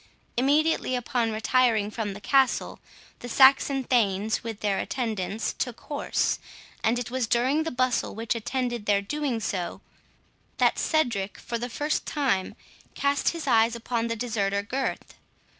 Immediately upon retiring from the castle, the Saxon thanes, with their attendants, took horse; and it was during the bustle which attended their doing so, that Cedric, for the first time, cast his eyes upon the deserter Gurth.